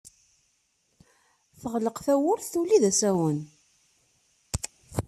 Teɣleq tawwurt, tuley d asawen.